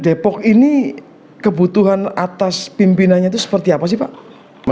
depok ini kebutuhan atas pimpinannya itu seperti apa sih pak